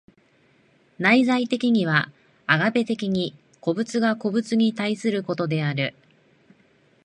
内在的にはアガペ的に個物が個物に対することである。